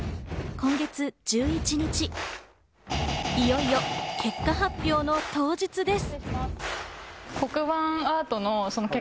今月１１日、いよいよ結果発表の当日です。